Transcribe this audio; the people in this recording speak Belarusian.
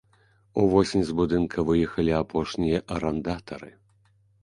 Увосень з будынка выехалі апошнія арандатары.